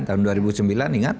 tahun dua ribu sembilan ingat